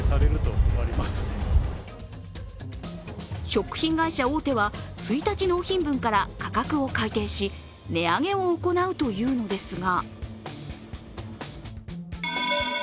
食品会社大手は１日納品分から価格を改訂し、値上げを行うというのですが。